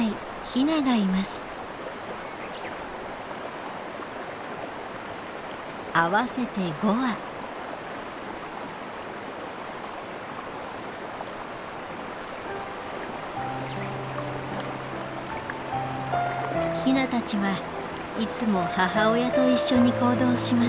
ヒナたちはいつも母親と一緒に行動します。